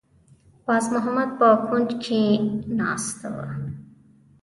باز محمد په کونج کې ناسته وه.